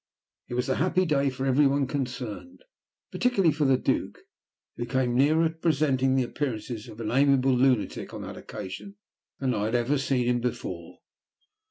It was a happy day for every one concerned, particularly for the Duke, who came nearer presenting the appearance of an amiable lunatic on that occasion than I had ever seen him before.